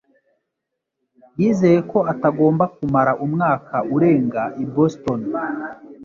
yizeye ko atagomba kumara umwaka urenga i Boston